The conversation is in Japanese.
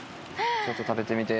ちょっと食べてみて。